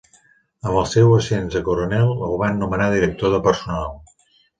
Amb el seu ascens a coronel, el van nomenar director de personal.